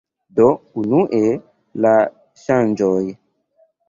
Do, unue la ŝanĝoj